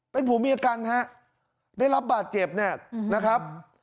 เป็นผัวเมียกันฮะได้รับบาดเจ็บเนี่ยนะครับ